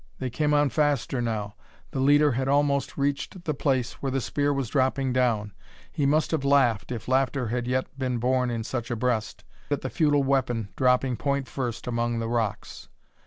They came on faster now; the leader had almost reached the place where the spear was dropping down. He must have laughed, if laughter had yet been born in such a breast, at the futile weapon dropping point first among the rocks.